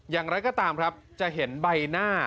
อย่างไรก็ตามครับจะเห็นใบหน้า